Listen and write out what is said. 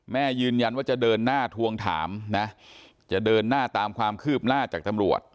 ยืนยันว่าจะเดินหน้าทวงถามนะจะเดินหน้าตามความคืบหน้าจากตำรวจ